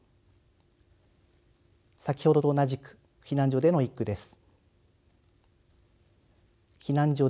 先ほどと同じく避難所での一句です。